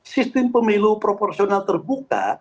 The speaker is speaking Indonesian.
sistem pemilu profesional terbuka